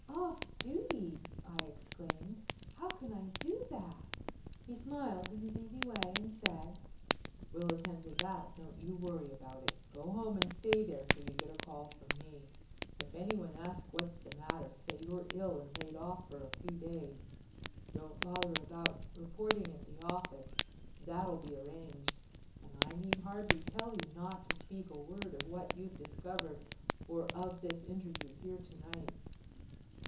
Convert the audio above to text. "Off duty!" I exclaimed. "How can I do that?" He smiled in his easy way and said: "We'll attend to that, don't you worry about it. Go home and stay there till you get a call from me. If anyone asks what's the matter say you're ill and laid off for a few days. Don't bother about reporting at the office; that'll be arranged. And I need hardly tell you not to speak a word of what you've discovered or of this interview here to night."